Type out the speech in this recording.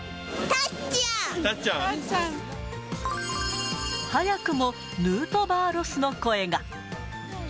たっちゃん？早くもヌートバーロスの声が。